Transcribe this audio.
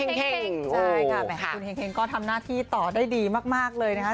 ใช่ค่ะแหมคุณเฮงก็ทำหน้าที่ต่อได้ดีมากเลยนะคะ